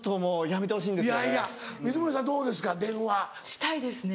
したいですね。